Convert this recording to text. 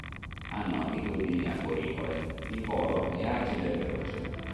Hanno abitudini arboricole, il volo è agile e veloce.